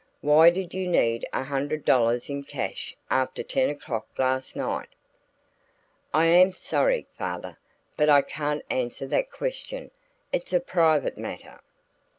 Why did you need a hundred dollars in cash after ten o'clock last night?" "I am sorry, father, but I can't answer that question. It's a private matter."